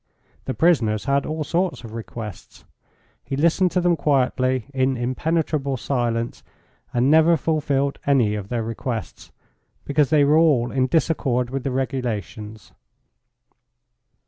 The prisoners had all sorts of requests. He listened to them quietly, in impenetrable silence, and never fulfilled any of their requests, because they were all in disaccord with the regulations.